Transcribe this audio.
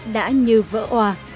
đã như vỡ òa